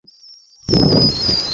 তোমার গোত্রের মানসিকতা অনুভব কর।